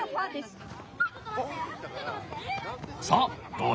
さあどう